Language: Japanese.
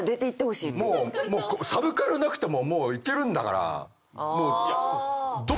サブカルなくてももういけるんだから。